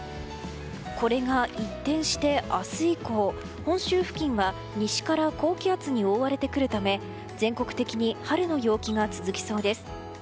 これが一転して、明日以降本州付近は西から高気圧に覆われてくるため全国的に春の陽気が続きそうです。